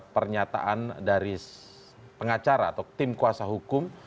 pernyataan dari pengacara atau tim kuasa hukum